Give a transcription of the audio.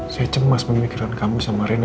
saya cemas memikiran kamu sama rena